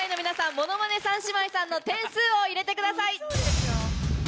ものまね三姉妹の点数を入れてください。